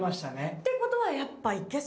ってことはやっぱ。